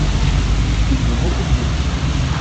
Ils ont beaucoup de villes.